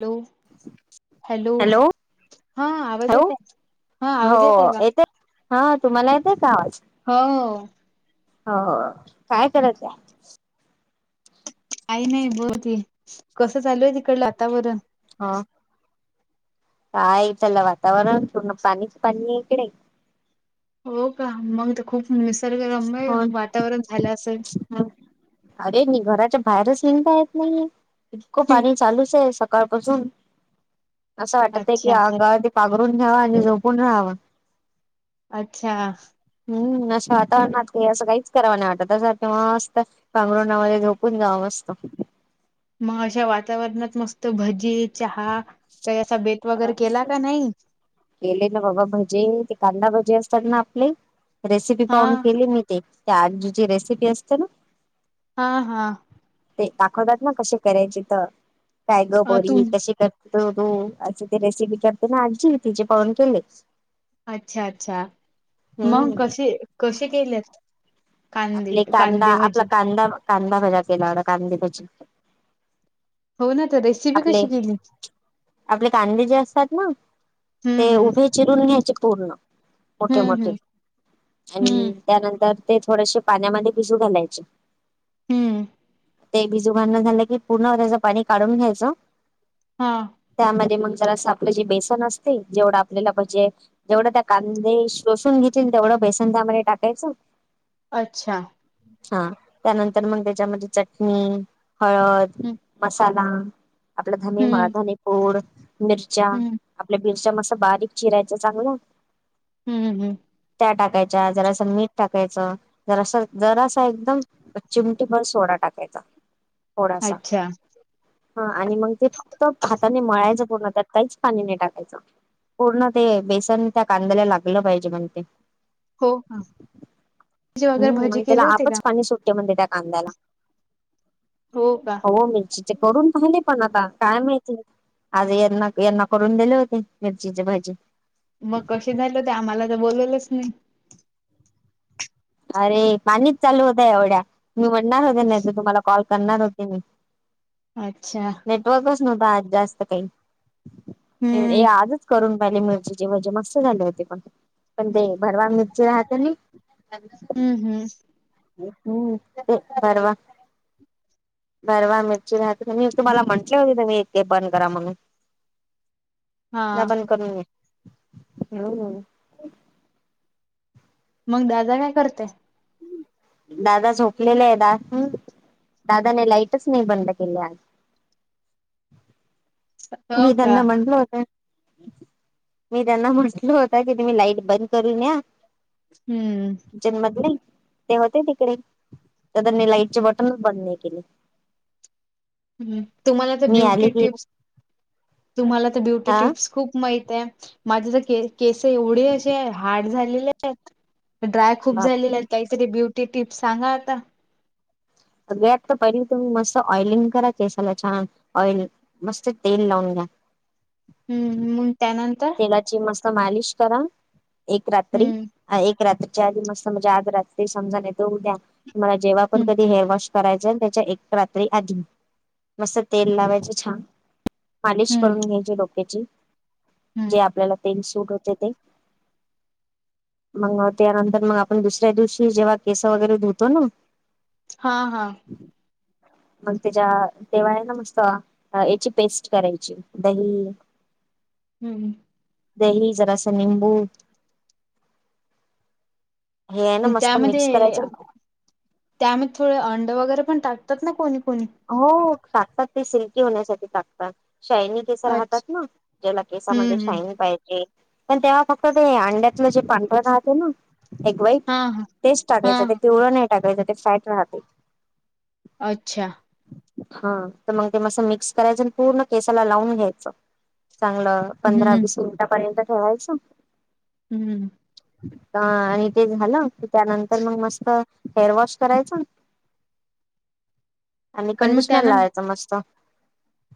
Hello, hello, हा आवाज hello येतय,,, हो, येते, हा तुम्हाला येतेय का आवाज? हो हो, हो काय कराय आह? आई नाही बोलते,, कसं चालू आहे तिकड वातावरण ऽ हा, काय त्याला वातावरण,, पूर्ण पाणीच पाणी आहे इकडे. हो का,, मग ते खूप निसर्गरमय हो वातावरण झालं असेलऽ अरे नाही,, घराच्या बाहेरच निंगता येत नाहीये,, इतकं पाणी चालूच आहेऽ सकाळपासून, असं वाटत आहे कि अच्छा अंगावरती पागरून घ्यावा आणि झोपून राहावंऽ अच्छा, हम्, आ स्वाऽ णार असं काहीच कराव नाही वाटत, असं मस्त पांगरुनामध्ये झोपून जावं मस्त. मग अशा वातावरणात मस्त भजी, चहा, काही असा बेत वगैरे अस केला का नाही. केले ना बाबा भजे, ते कांदा भजे असतात ना आपले,, रेसिपी हा पाहून केले मी ते, त्या आजी ची रेसिपी असते ना. हा, हा, ते, दाखवतात ना कसे करायचे तर, काय ग तुम बोरी कशी कर, तू, असे ते रेसिपी करते ना आजी तिचेे पाहून केले. अच्छा, अच्छा, मग हम्म कसे कसे केलेत? कांदे आपले कांदा, कांदे आपला भजी कांदा, कांदा भजा केला होता कांदे भजी. हो ना तर रेसिपी आपले कशी केली? आपले कांदे जे असतात ना,, हम्म ते हम्म उभे चिरून घ्यायचेऽ पूर्ण,, मोठे, हम्म मोठे हम्म हम्म आणि त्यानंतरऽ थोडसे पाण्यामध्ये भिजू घालायचे. हम्म, ते बिजू घांलण झालं की पूर्ण त्याच पाणी काढून घ्यायचं. हा त्यामध्ये मगऽऽ जरास आपलं जे बेसन असतय,, जेवढ आपल्याला पाहिजे जेवढ, त्या कांदे शोषून घेतील तेवढंऽ बेसन त्या मधे टाकायचंऽ अच्छा, हा,, त्यानंतर मग त्याच्यामध्ये चटणी, हळद, हं मसालाऽ आपला धनेमाळ, हं धने पुड, मिरच्या हं आपल्याऽ बिरचा मस्स असं बारीक चिरायच चांगलं. हम्म, हम्म, टाकायचाच्या, जरास मीठ टाकायचं. जरास, जरासा एकदम चिमटी बर सोडा टाकायचा. थोडासा,, अच्छा हा आणि मग ते फक्त हाताने मळायचऽ पूर्णत,, काहीच पाणी नै टाकायच. पूर्ण ते बेसन त्या कांद्याला लागलं पाहिजे,, म्हण तेऽ हो का? भजी वगैरे हम्म,, मग भजी त्याला केले होते का आपच पाणी सुटऽ त्या कांद्याला,, हो का हो मिरचीचे करून पाहिलेऽ पण आता, काय माहिती, आज यांना, यांना करून दिले होते मिरचीचे भजे. मग कशी झाली ते, आम्हाला तर बोलवलंच नाही. अरे,, पाणीच चालू होत एवढ्या,,, मी म्हणणार होत्या नाही तर तुम्हाला कॉल करणार होते मी. अच्छा,, बा आज जास्त हम्म काही,, आजच करूनऽ ली मिरचीचे भजे मस्त झाले होते पण,, पण ते भरवा मिरची राहते नाऽ हम्म हम्म हम् ते परर्वा भरवा मिरची राहते. [inaudible] मी तुम्हाला म्हटले होते, तुम्ही एक ते बंद करा म्हणून. [unintelligible] हा लग्न करून घे. [inaudible] मग दादा, काय करताय? दादा झोपलेले आहे, दाखव दादाने लाईटचं नाही बंद केल्या. [inaudible] हो मी का त्यांना म्हटलो होत मी त्यांना म्हटल होत, की तुम्ही लाईट बंद करून या. हम्म जन्मदिले ते होते तिकडे, तर त्यांनी लाईटचे बटनच बंद नाही केले. तुम्हाला तर मी आले ब्युटी की टिप्स तुम्हाला तर ब्युटी हा टिप्स खूप हय माझे तर केस एवढे अस हार्ड झालेले आहेत ड्राय खूप झालेला बापरे आहे काहीतरी ब्युटी टिप्स सांगा आता घ्यात तर पहिली तुम्ही मस्त ऑइलिंग करा केसाला छान ऑइल मस्त तेल लावून घ्या हम्म मग त्यानंतर तेलाची मस्त मालिश करा एक रात्री हम्म एक रात्री मस्तजे आ समजा्याला जव्हा पण हम्म कधश करायच त्याच्या एक रात्री आधी मस्त तेल लावायच छान मालिश हम्म करून घ्यायची डोक्याची हम्म जे आपल्याला पेन सूट होते ते मग त्यानंतर मग आपण दुसऱ्या दिवशी जेव्हा केस वगैरे धुतो ना हा, हा. मग त्याच्या तेव्हा आहे ना, मस्त. हा, हेची पेस्ट करायची दही हम्म. दही, जरासा निंबू हे आहे ना अनं मस्त मिक्स त्यामध्ये, करायचं त्यामध्ये थोडे अंड वगैरे पण टाकतात ना कोणी? कोणी. हो, हो, हो. टाकतात, ते सिल्की होण्यासाठी टाकतात. शायनी केस राहतात अच्छा ना, ज्याला हम्म केसामध्ये हम्म शायनिंग पाहिजे. पण तेव्हा फक्त ते अंड्यातलं जे पांढरं राहते ना एग व्हाईट हा हा तेच हा टाकायचं, ते हा पिवळं नाही टाकायचं, त्यात फॅट राहतो. अच्छा. हा, तर मग ते मस्त मिक्स करायचं आणि पूर्ण केसाला लावून घ्यायचं. चांगलं पंधरा हम्म वीस मिनिटापर्यंत ठेवायचं. हम्म. हा, आणि ते झालं की त्यानंतरन मस्त हेअर वॉश करायचं [inaudible] आणि कंडिशनर लावायचं मस्त.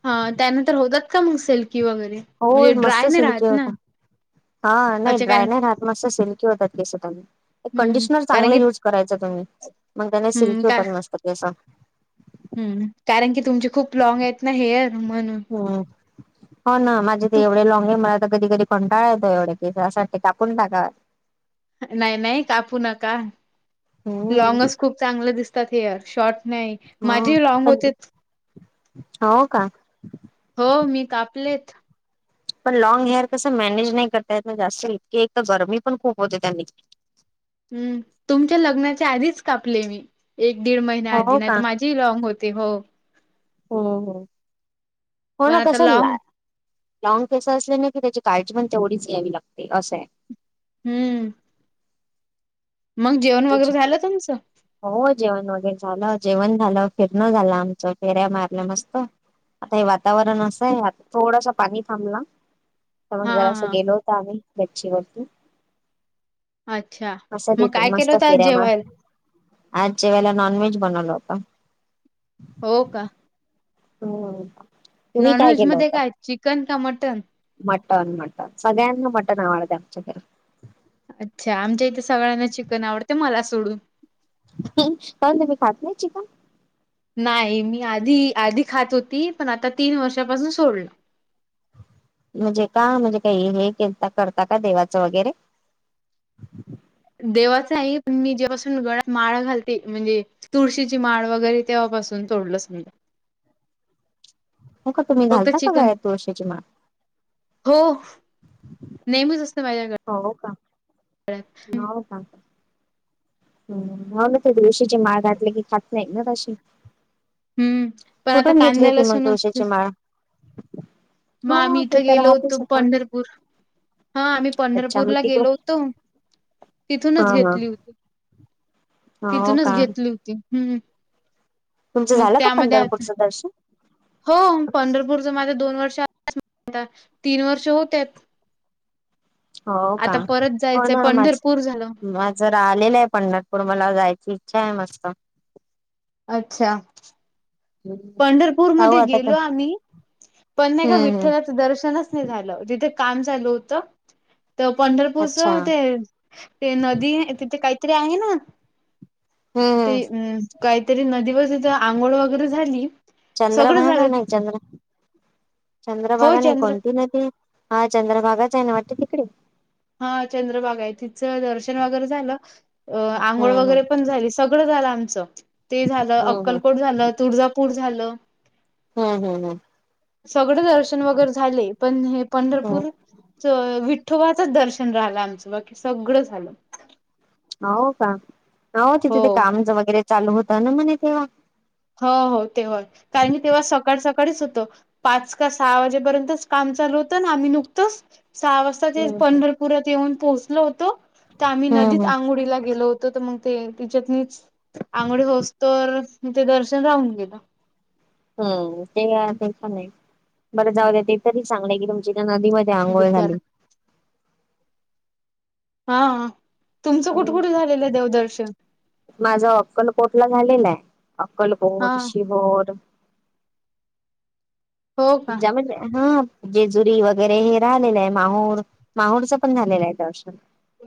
हां, त्यानंतर होतात का मग सिल्की वगैरे, हो म्हणजे मस्त ड्राय नाही सिल्की राहत ना? होतात हा, नाही अच्छा ड्राय कारण नाही राहत. मस्त सिल्की होतात केस पण. हम्म कंडिशनर कारण चांगलं की युज करायच तुम्ही, मग त्याने हम्म सिल्की का होतात मस्त केसं. हम्म, कारण की तुमचे खूप लॉंग आहेत ना हेअर, म्हणून हम्म हो ना, माझे ते तू एवढे लाँग आहे. मला तर कधी कधी कंटाळा येतोय एवढे केसासाठी, कापून टाकाव नाही, नाही. कापू नका. हम्म लॉंगच खूप चांगलं दिसतात हेअर शॉर्ट नाही, हो माझे लॉंग पण होत्यात. हो का? हो, मी कापलेत. पण लाँग हेअर कसं मॅनेज नाही करता येत ना, जास्त इतके. एक तर गरमी पण खूप होते त्यांनी. हम्म, तुमच्या लग्नाच्या आधीच कापले मी. एक दीड महिन्या आधी, हो नाही तर माझी लॉंग होते हो. हम्म हम् पण होणा आता कस लॉंग लॉन्ग केस असल्याने की त्याची काळजी पण तेवढीच घ्यायावी लागते असं आहे. हम्म. मग जेवण वगैरे झालं तुमचं हो जेवण वगैरे झालं जेवण झालं. फिरण झालं आमच फेऱ्या मारलं मस्त. आता हे वातावरण असं आहे आ थोडस पाणी थांबला. तर मग हा जरा अस हा गेलो होत आम्ही गच्ची वरती. अच्छा असं मग तिथे काय. केलं मस्त होत आज फेऱ्या मार जेवायला आजचे जेवायला नॉनवेज बनवल होता. हो का? हो. नॉनव्हेज मध्ये काय चिकन, का मटण? मटण, मटण. सगळ्यांना मटण आवडते आमच्या घरी. अच्छा. आमच्या इथे सगळ्यांना चिकन आवडते, मला सोडून. हं, पण तुम्ही खात नाही चिकन? नाही, मी आधी आधी खात होती, पण आता तीन वर्षापासून सोडलं. म्हणजे का, म्हणजे काही वेगळे केलता करता का देवाचं वगैरे? देवाच नाही, पण मी जेव्हापासून गळ्यात माळ घालते, म्हणजे तुळशीची माळ वगैरे, तेव्हा बसून तोडलंच मी. मग का, तुम्ही घालता का चिकन गळ्यात तुळशीची माळ? हो, नेहमीच असतं माझ्या हो का गळ्यात हो का हम्म, मग ते तुळशीची माळ घातले की खात नाहीत ना तशी. हम्म पण आता कुठून घेतली कांद्याला होती मग लसूण नसते. तुळशीची माळ? मग हो आम्ही ते इथं तर गेलो राहतेच होतो आता पंढरपूर. हा आम्ही अच्छा मी पंढरपूरला तिकडे गेलो होतो हा तिथूनच हा. घेतली होती. हो तिथूनच का घेतली होती हम्म. तुमचं मग झालं का त्यामध्ये आता पंढरपूरचं दर्शन. हो पंढरपूरच माझ्या दोन वर्ष आता तीन वर्ष होत. हो का हो जायचंय ना माझ पंढरपूर झालं. माझं राहिलेलं आहे पंढरपूर मला जायचं. इचछा आहे मस्त. अच्छा पाहू आता पंढरपूरमध्येध्ये का गेलो आम्ही. पण एका हम्म हम्म विठ्ठलाच दर्शनच नाही झालं तिथे. काम ल होत तर पंढरपूरच अच्छा ते हम्म ते नदी तिथे काही. ते आहे ना. ते हम्म अ काहीतरी नदीवर तथ आंघोळ वगैरे झाली. चंद्र सगळं भागा झालं नाही तिचं चंद्र. हो चंद्रभागा नाही चंद्र कोणती ना त हा चंद्रभागाच आहे ना वाटते तिकडे. हा चंद्रभागा आहे तिचं दर्शन वगैरे झालं. अ आंघोळ हम्म हम्म. वगैरे पण झाली सगळं झालं आमचं ते झालं हम्म हम्म अक्कलकोट झालं तुळजापूर. झालं. हम्म हम्म हम्. सगळं दर्शन वगैरे झाले पण हे पंढरपूर हम्म विठ्वा? दर्शन राहिलं आमचं बाकी सगळं झालं. हो का हो तिथे ते काम वगैरे चालू होतं ना म्हणे तेव्हा हो हो तेवय कारण की तेव्हा सकाळ सकाळ. [inaudible] होत पाच का सहा वाजेपर्यंतच काम चालू होतं ना आम्ही नुकतंच. सहा वाजता ते हम्म हम्म पंढरपुरात येऊन पोहोचलो होतो तर आम्ही हम्म नदीत हम्म आंघोळीला गेलो होतो. मग ते तिच्यातच आंघोळ होस तर म ते दर्शन राहून गेलं. हम्म, ते हा ते पणं आहे, बरं जाऊ देत ते तरी चांगलं आहे की तुमची नदीमध्ये आंघोळ बुद्ध्याला. झाली. हा, तुमचं कुठे कुठे झालेलं आहे देवदर्शन? माझा अक्कलकोट ला झालेला आहे हा अक्कलकोट, शिबोर. हो का? [unintelligible] जेजुरी वगैरे हे राहिलेलं आहे, माहूर, माहूरचं पण झालेलं आहे दर्शन.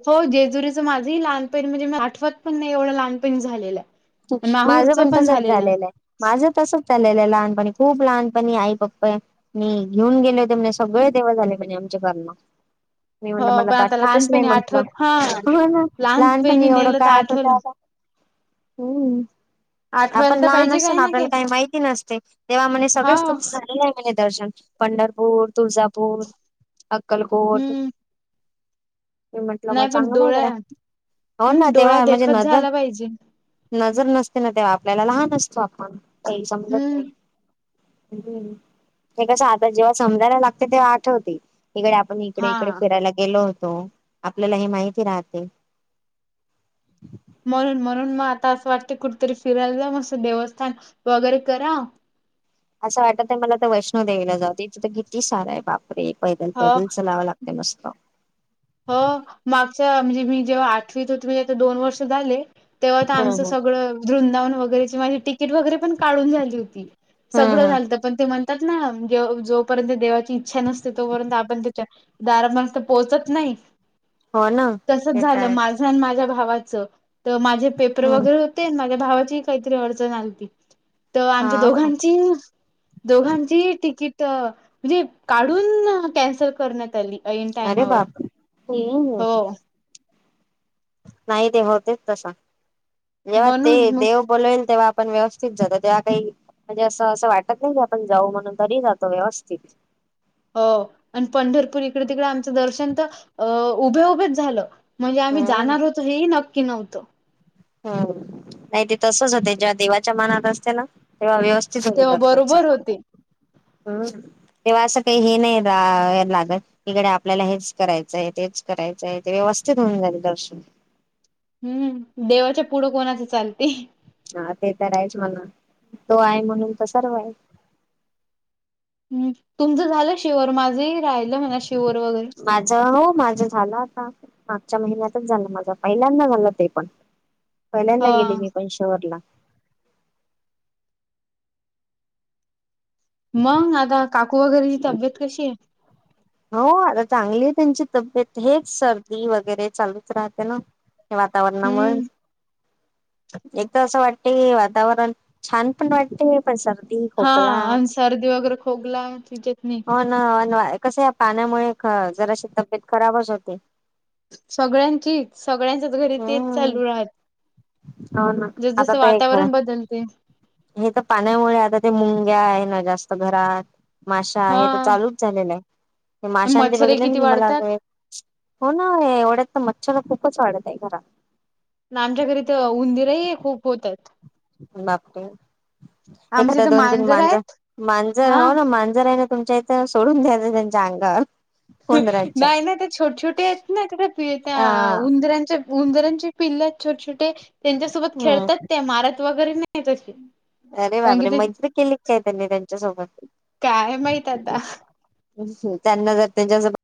हो जेजुरीचं माझंही लहानपणी, म्हणजे मला आठवत पण नाही एवढं लहानपणी झालेलं आहे. माझं पण तसच झालेलं आहे, माझं तसंच झालेलं आहे, लहानपणी खूप खूप लहानपणी आई, पप्पा, मी घेऊन गेले होते म्हणे, सगळे देवं तेव्हा झाले म्हणे आमच्या कडणं. [unintelligible] हो, पण आता लहानपणी म्हंटलं आठवत हा, हो ना लहानपणी नेलं तर आठवलं. हूं आठवायला आपण तर लहान पाहिजे असतो काय ना, आपल्याला काय काही माहिती नसते, तेव्हा म्हणे हा सगळेच खूप चांगले झाले म्हणे दर्शन. पंढरपूर, तुळजापूर, अक्कलकोट. हम्म मी म्हंटलं मग नाही पण चांगलं आहे डोळ्या गड्या, हो ना हम्म डोळ्या तेव्हा म्हणजे देखत नजर झाला पाहिजे नजर नसते ना तेव्हा आपल्याला, लहान असतो आपण, तेही समजत हम्म नाही. हम्म, ते कसं आता जेव्हा समजायला लागते तेव्हा आठवते. इकडे आपण इकडे हा इकडे फिरायला गेलो हो तो, आपल्याला हे माहिती राहते. म्हणून, म्हणून मग आता असं वाटतं, कुठेतरी फिरायला जा, मस्त देवस्थान वगैरे करा असं वाटत आहे मला तर वैष्णो देवीला जाऊं, ते तिथं किती सार आहे बाप पैदल हो पैदल चलावं लागतंय मस्त. हो म्हणजे मी जेव्हा आठवीत होत म्हणजे दोन वर्ष झाले, तेव्हा तर हम्म आमचं हम्म. सगळं वृंदावन वगैरेची माझी तिकीट वगैरे पण काढून झाली होती, हम्म सगळं हम्म झालत, पण ते ना ज जोपर्यंत देवाची इच्छा नसते तोपर्यंत आपण त्याच्या दारापर्यंत पोहोचत नाही, हो ना तसंच ते तर झालं आहेच माझं आणि माझ्या भाव भावाचं, तर माझे पेपर हम्म वगैरे होते, माझ्या भावाची हि काहीतरी अडचण आलती. तर आमच्या हाव का दोघांची, दोघांचीही तिकीट तर म्हणजे काढून, कॅन्सल करण्यात आली ऐन टायमावर हम् हू. हो नाही ते होतेच तसां, जेव्हा ते म्हणून मग देव बोलल तेव्हा पणं व्यवस्थित जातो तेव्हा काही म्हणजे असं असं वाटत नाही की, आपण जाऊ म्हणून तरी जातो व्यवस्थित. हो, आणि पंढरपूर इकडे, तिकडे आमचं दर्शन तर अ उभे उभेच झालं. म्हणजे आम्ही हम्म जाणार होतो, हेही नक्की नव्हतं. हम्, नाही ते तसच होत, जेव्हा देवाच्या मनात असते ना तेव्हा व्यवस्. [inaudible] तेव्हा बरोबर होते. हम्म तेव्हा असं काही हे नाही लागत, तीकडे आपल्याला हेच करायचं आहे ते करायचं आहे ते व्यवस्थित होऊन झाले दर्शन. हम्म, देवाच्या पुढं कोणाचं चालते? हा ते तर आहेच म्हणा, तो आहे म्हणून तर सर्व आहे. ह् तुमचं झालं शिवर, माझही माझ, हो माझं झालं आता. मागच्या महिन्यातच झालं माझं, पहिल्यांदा झालं ते पण. पहिल्यांदा गेली हा मी कोण शिवोरला. मग, आता काकू वगैरेची तब्येत कशी आहे? हो आता चांगली आहे त्यांची तब्येत. हेच सर्दी वगैरे चालूच राहते ना. वातावरणामुळे, हम्म. एक तर असं वाट हे वातावरण छान पण वाटते हे हा, अन सर्दी वगैरे खोकला तुमंचे हो ना, कस या पाण्यामुळेक जराशी तब्येत खराबच होते. सगळ्यांचीच सगळ्यांच्याच घरी तेच चालू आहेआज. हो ना आता त हे खरं. बदलते हे तर पाण्यामुळे आता ते मुंग्या आहे ना जास्त घरात माशा हा आहे त चालूच झालेलं आहे. ते माशां ते मच्छर बघितले ना किती की मला वाढतात. असं... हो ना एवढ्यात तर मच्छरला खूपच वाढत आहे घरात. आमच्या घरी तर उंदीरही खूप होतात. बापरे आमचे एखाद्या तर दोन तीन मांजर, आहेत मांजर हा हो ना मांजर आहे ना. तुमच्या इथं सोडून द्यायचं त्यांच्या अंगावर. ह उंदरांच्या नाही ना ते छोटे छोटे आहेत ना त्या त्या हा उंदरांच्या उंदरांची पिल्ल आहेत छोटे छोटे त्यांच्यासोबत हम्म खेळतात ते मारत वगैरे नाहीत अशी अरे बाबरे मैत्री केली काय त्यांनी त्यांच्यासोबत. काय माहित आता त्यांना जर त्यांच्यास